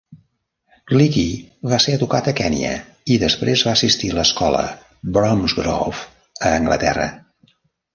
Leakey va ser educat a Kenya, i després va assistir a l'escola Bromsgrove a Anglaterra.